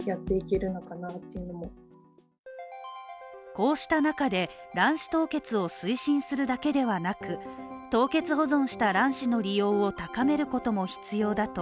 こうした中で、卵子凍結を推進するだけではなく、凍結保存した卵子の利用を高めることも必要だと